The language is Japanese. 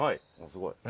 すごい。